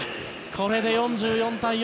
これで４４対４４。